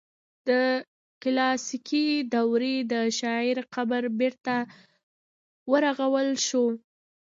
د کلاسیکي دورې د شاعر قبر بیرته ورغول شو.